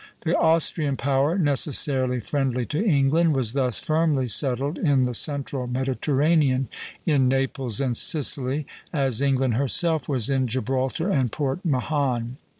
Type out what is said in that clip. The Austrian power, necessarily friendly to England, was thus firmly settled in the central Mediterranean, in Naples and Sicily, as England herself was in Gibraltar and Port Mahon.